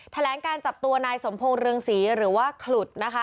แถลงการจับตัวนายสมพงศ์เรืองศรีหรือว่าขลุดนะคะ